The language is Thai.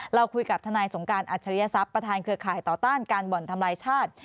เราคุยกับทนายสงการอัจฉริยศัพย์ประธานเครือข่ายต่อต้านการบ่อนทำลายชาติ